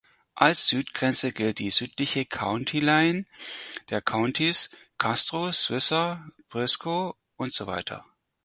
Als Südgrenze gilt die südliche County Line der Countys Castro, Swisher, Briscoe usw.